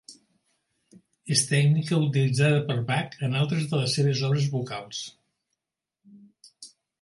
És tècnica utilitzada per Bach en altres de les seves obres vocals.